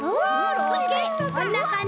こんなかんじ。